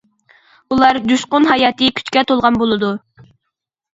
ئۇلار جۇشقۇن ھاياتى كۈچكە تولغان بولىدۇ.